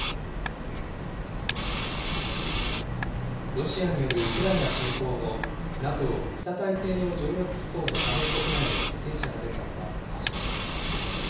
ロシアによるウクライナ侵攻後、ＮＡＴＯ・北大西洋条約機構の加盟国内で犠牲者が出たのは初めてです。